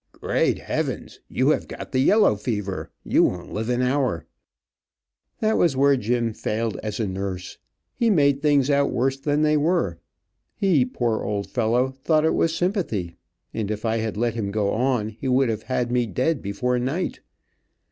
"Great heavens! you have got the yellow fever. You won't live an hour." That was where Jim failed as a nurse. He made things out worse than they were. He, poor old fellow, thought it was sympathy, and if I had let him go on he would have had me dead before night.